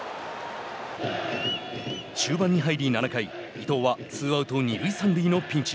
終盤に入り７回ツーアウト、二塁三塁のピンチ。